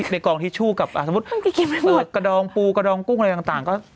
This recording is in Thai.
กองทิชชู่กับสมมุติกระดองปูกระดองกุ้งอะไรต่างก็